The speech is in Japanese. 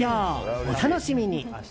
お楽しみに！